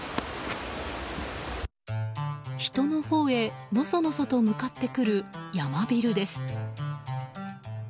人のほうへとのそのそと向かってくるヤマビルです。